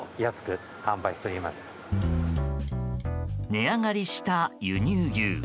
値上がりした輸入牛。